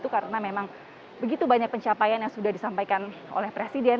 karena memang begitu banyak pencapaian yang sudah disampaikan oleh presiden